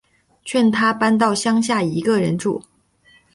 劝他搬到乡下一起住